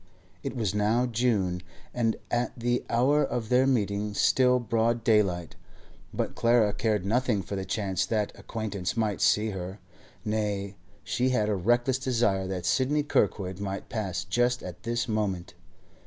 It was now June, and at the hour of their meeting still broad daylight, but Clara cared nothing for the chance that acquaintances might see her; nay, she had a reckless desire that Sidney Kirkwood might pass just at this moment.